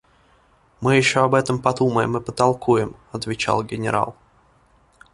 – Мы еще об этом подумаем и потолкуем, – отвечал генерал.